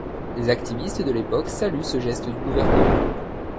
Les activistes de l'époque saluent ce geste du gouverneur.